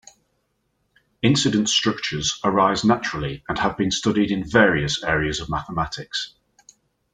Incidence structures arise naturally and have been studied in various areas of mathematics.